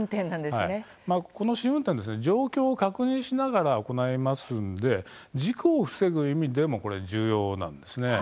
この試運転、状況を確認しながら行いますので事故を防ぐ意味でも重要なんです。